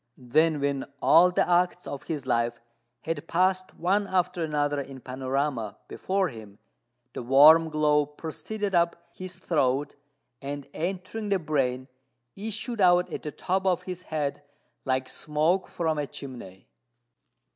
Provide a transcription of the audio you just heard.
Then when all the acts of his life had passed one after another in panorama before him, the warm glow proceeded up his throat, and, entering the brain, issued out at the top of his head like smoke from a chimney.